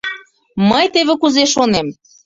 — Мый теве кузе шонем.